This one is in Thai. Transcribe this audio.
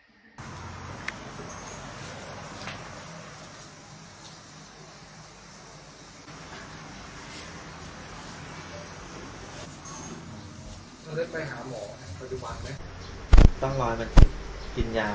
ต้องได้ไปหาหมอปัจจุบันไหม